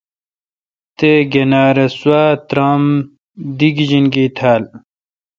تے°گنیر اے°سوا ترامدی گجینکی تھال۔